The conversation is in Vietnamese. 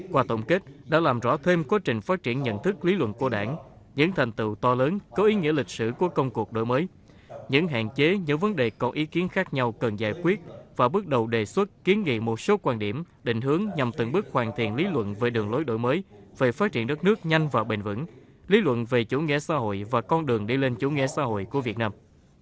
qua tổng kết đã làm rõ thêm quá trình phát triển nhận thức lý luận của đảng những thành tựu to lớn có ý nghĩa lịch sử của công cuộc đổi mới những hạn chế những vấn đề có ý kiến khác nhau cần giải quyết và bước đầu đề xuất kiến nghị một số quan điểm định hướng nhằm từng bước hoàn thiện lý luận về đường lối đổi mới về phát triển đất nước nhanh và bền vững lý luận về chủ nghĩa xã hội và con đường đi lên chủ nghĩa xã hội của việt nam